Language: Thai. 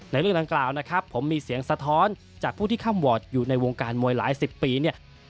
ในเรื่องหลังกล่าวผมมีเสียงสะท้อนจากผู้ที่ค่ำเวิร์ดอยู่ในวงการมวยหลาย๑๐ปี